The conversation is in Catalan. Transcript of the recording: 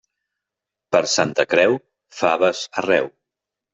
Per Santa Creu, faves arreu.